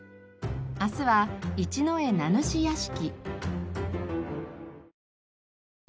明日は一之江名主屋敷。